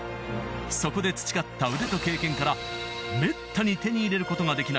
そこで培った腕と経験からめったに手に入れることができない